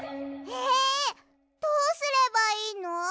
えどうすればいいの？